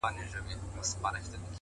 د ساغورث سختې قضيې; راته راوبهيدې;